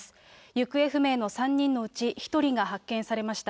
行方不明の３人のうち、１人が発見されました。